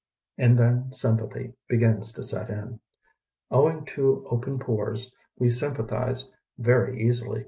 And then sympathy begins to set in. Owing to open pores we sympathize very easily.